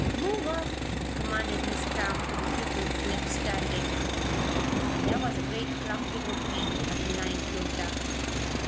"Move up," commanded Miss Cramp to the pupils left standing, and there was a great clumping of feet as the line closed up.